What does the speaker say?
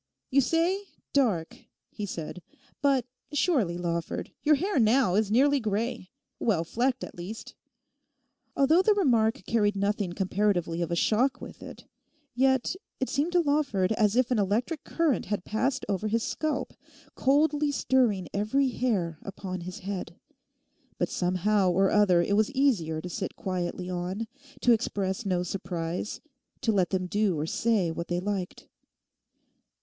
'You say "dark," he said; 'but surely, Lawford, your hair now is nearly grey; well flecked at least.' Although the remark carried nothing comparatively of a shock with it, yet it seemed to Lawford as if an electric current had passed over his scalp, coldly stirring every hair upon his head. But somehow or other it was easier to sit quietly on, to express no surprise, to let them do or say what they liked.